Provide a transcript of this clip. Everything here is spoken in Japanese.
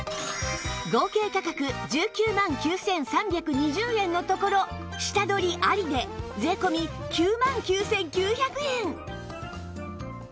合計価格１９万９３２０円のところ下取りありで税込９万９９００円